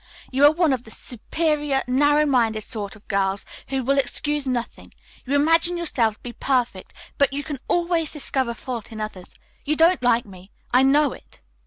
You are one of the superior, narrow minded sort of girls who will excuse nothing. You imagine yourself to be perfect, but you can always discover faults in others. You don't like me. I know it.